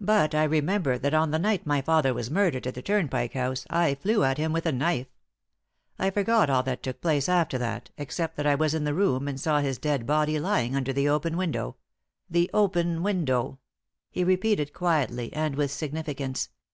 But I remember that on the night my father was murdered at the Turnpike House I flew at him with a knife. I forgot all that took place after that, except that I was in the room and saw his dead body lying under the open window the open window," he repeated, quietly, and with significance.